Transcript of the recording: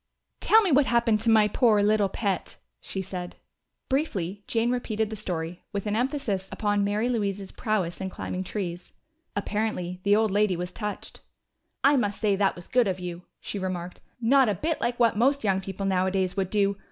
"Tell me what happened to my poor little pet," she said. Briefly Jane repeated the story, with an emphasis upon Mary Louise's prowess in climbing trees. Apparently the old lady was touched. "I must say that was good of you," she remarked. "Not a bit like what most young people nowadays would do!